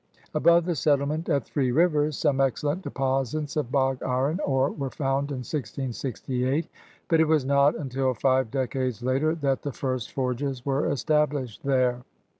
Above the settlement at Three Rivers some excellent deposits of bog iron ore were found in 1668, but it was not until five decades later that the first forges were established there.